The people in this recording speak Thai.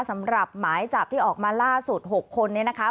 สำหรับหมายจับที่ออกมาล่าสุด๖คนนี้นะคะ